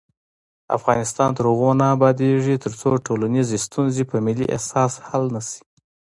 افغانستان تر هغو نه ابادیږي، ترڅو ټولنیزې ستونزې په ملي احساس حل نشي.